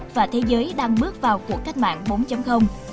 và thế giới đang bước vào cuộc cách mạng bốn